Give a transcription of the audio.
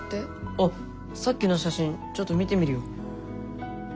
あっさっきの写真ちょっと見てみるよ。